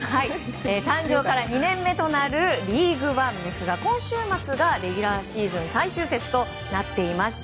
誕生から２年目となるリーグワンですが今週末がレギュラーシーズン最終節となっていました。